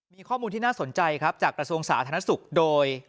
มีข้อมูลที่น่าสนใจครับจากกระทรวงสาธารณสุขโดย